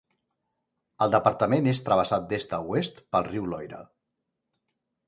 El departament és travessat d'est a oest pel riu Loira.